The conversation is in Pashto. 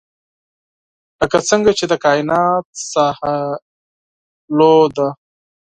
لکه څنګه چې د کاینات ساحه لوی ده.